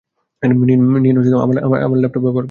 নিন, আমার ল্যাপটপ ব্যবহার করুন।